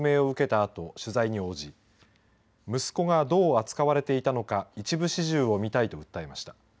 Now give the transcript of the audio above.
あと取材に応じ息子がどう扱われていたのか一部始終を見たいと訴えました。